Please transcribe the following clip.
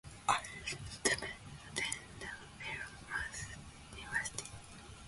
Adjutant attended Plymouth State University.